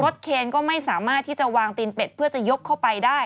เคนก็ไม่สามารถที่จะวางตีนเป็ดเพื่อจะยกเข้าไปได้